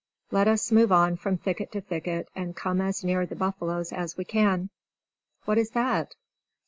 Let us move on from thicket to thicket, and come as near the buffaloes as we can. What is that?